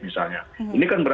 misalnya mungkin dua orang